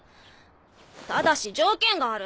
ただし条件がある。